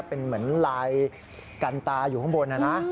เป็นเหมือนลายกันตาอยู่ข้างบนนะนะ